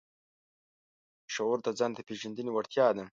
شعور د ځان د پېژندنې وړتیا ده.